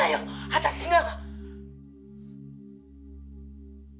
私が！」